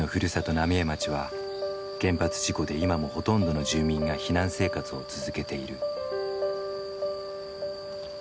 浪江町は原発事故で今もほとんどの住民が避難生活を続けている。